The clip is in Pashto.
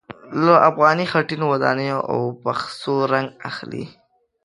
له افغاني خټينو ودانیو او پخڅو رنګ اخلي.